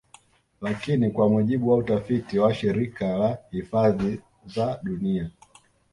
Lakini kwa mujibu wa utafiti wa Shirika la hifadhi za dunia